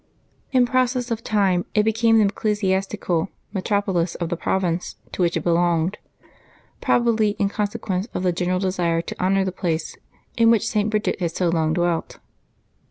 In process of time it became the ecclesiastical metropolis of the prov ince to which it belonged, probably in consequence of the general desire to honor the place in which St. Bridgid had so long dwelt.